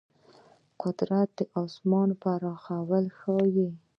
قدرت د آسمان پراخوالی ښيي.